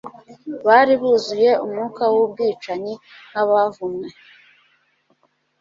Bari buzuye umwuka w'ubwicanyi nk'abavumwe.